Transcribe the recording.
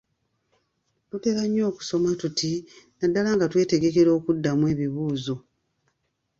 Tutera nnyo okusoma tuti naddala nga twetegekera okuddamu ebibuuzo,